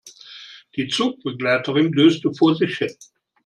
Die Zugbegleiterin döste vor sich hin.